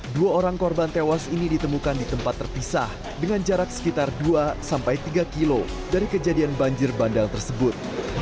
dua orang korban tewas ini ditemukan di tempat terpisah dengan jarak sekitar dua sampai tiga kilo dari kejadian banjir bandang tersebut